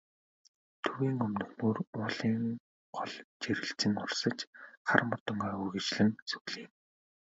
Төвийн өмнөхнүүр уулын гол жирэлзэн урсаж, хар модон ой үргэлжлэн сүглийнэ.